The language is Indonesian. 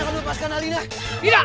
lepaskan alina tidak